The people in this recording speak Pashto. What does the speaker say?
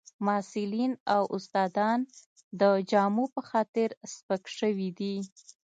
محصلین او استادان د جامو په خاطر سپک شوي دي